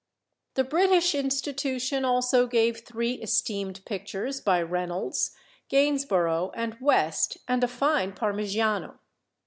The British Institution also gave three esteemed pictures by Reynolds, Gainsborough, and West, and a fine Parmigiano.